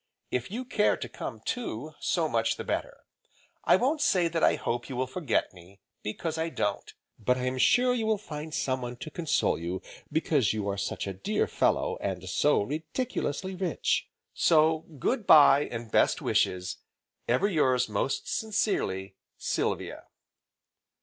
If you care to come too, so much the better. I won't say that I hope you will forget me, because I don't; but I am sure you will find someone to console you because you are such a dear, good fellow, and so ridiculously rich. So good bye, and best wishes, Ever yours most sincerely, SYLVIA.